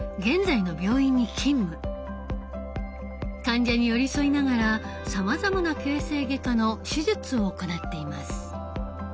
患者に寄り添いながらさまざまな形成外科の手術を行っています。